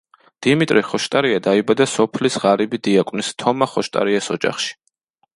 დიმიტრი ხოშტარია დაიბადა სოფლის ღარიბი დიაკვნის თომა ხოშტარიას ოჯახში.